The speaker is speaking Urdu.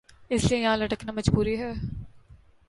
اس لئے یہان لٹکنا مجبوری ہے